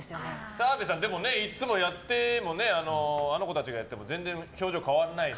澤部さん、いつもやってもあの子たちがやっても全然表情変わらないので。